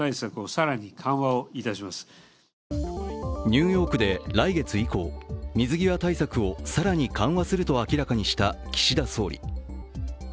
ニューヨークで、来月以降水際対策を更に緩和すると明らかにした岸田総理。